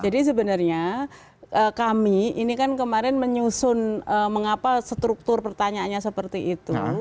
jadi sebenarnya kami ini kan kemarin menyusun mengapa struktur pertanyaannya seperti itu